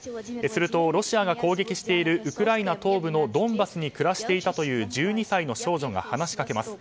するとロシアが攻撃しているウクライナ東部のドンバスに暮らしていたという１２歳の少女が話しかけます。